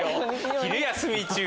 昼休み中。